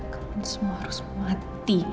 kamu semua harus mati